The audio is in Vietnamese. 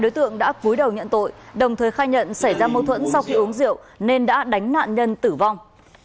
đối tượng đã cúi đầu nhận tội đồng thời khai nhận xảy ra mâu thuẫn sau khi uống rượu nên đã đánh nạn nhân tử vong